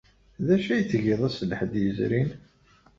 D acu ay tgiḍ ass n Lḥedd yezrin?